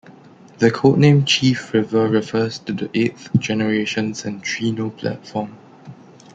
The codename Chief River refers to the eighth-generation Centrino platform.